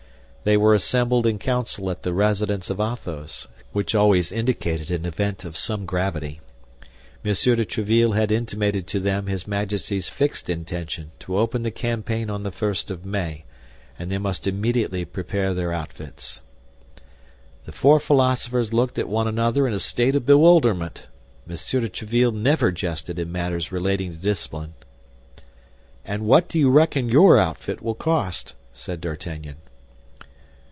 They were assembled in council at the residence of Athos, which always indicated an event of some gravity. M. de Tréville had intimated to them his Majesty's fixed intention to open the campaign on the first of May, and they must immediately prepare their outfits. The four philosophers looked at one another in a state of bewilderment. M. de Tréville never jested in matters relating to discipline. "And what do you reckon your outfit will cost?" said D'Artagnan.